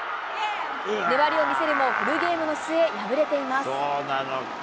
粘りを見せるも、フルゲームの末、敗れています。